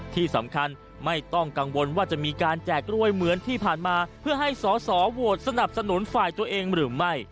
ที่สำคัญไม่ต้องกังวลว่าจะมีการแจกรวยเหมือนที่ผ่านมาเพื่อให้สอสอโหวตสนับสนุนฝ่ายตัวเองหรือไม่